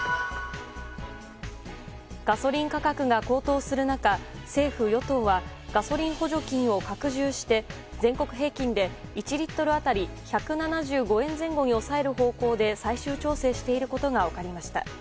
ガソリン価格が高騰する中政府与党はガソリン補助金を拡充して全国平均で１リットル当たり１７５円前後に抑える方向で最終調整していることが分かりました。